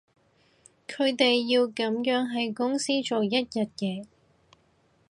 佢哋要噉樣喺公司做一日嘢